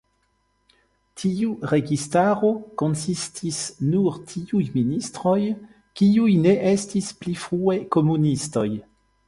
Tiu registaro konsistis nur tiuj ministroj, kiuj ne estis pli frue komunistoj.